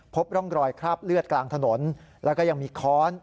พบร่องรอยคราบเลือดกลางถนนแล้วก็ยังมีค้อน